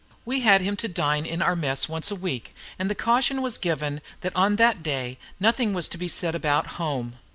We had him to dine in our mess once a week, and the caution was given that on that day nothing was to be said about home.